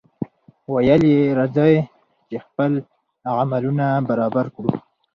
ویل یې راځئ! چې خپل عملونه برابر کړو.